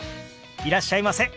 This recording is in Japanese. いらっしゃいませ。